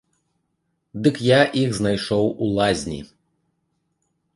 Дык я іх знайшоў у лазні.